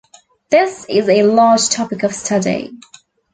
This is a large topic of study.